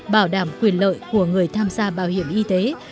bảo đảm quyền lợi của người tham gia bảo hiểm y tế